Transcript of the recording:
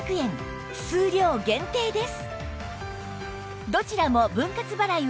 数量限定です